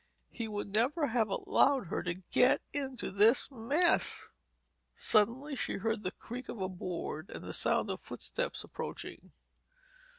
He would never have allowed her to get into this mess! Suddenly she heard the creak of a board and the sound of footsteps approaching.